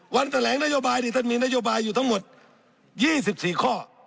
แถลงนโยบายนี่ท่านมีนโยบายอยู่ทั้งหมด๒๔ข้อ